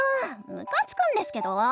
むかつくんですけど！